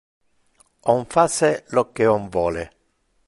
On face lo que on vole.